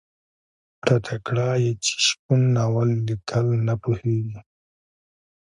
راته کړه یې چې شپون ناول ليکل نه پوهېږي.